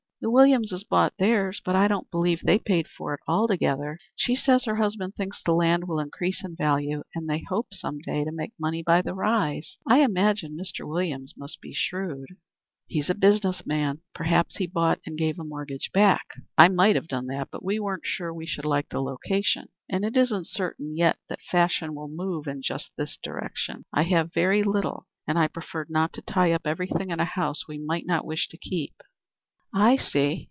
"The Williamses bought theirs. But I don't believe they paid for it altogether. She says her husband thinks the land will increase in value, and they hope some day to make money by the rise. I imagine Mr. Williams must be shrewd." "He's a business man. Probably he bought, and gave a mortgage back. I might have done that, but we weren't sure we should like the location, and it isn't certain yet that fashion will move in just this direction. I have very little, and I preferred not to tie up everything in a house we might not wish to keep." "I see.